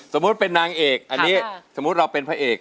สมมุติเป็นนางเอกอันนี้สมมุติเราเป็นพระเอก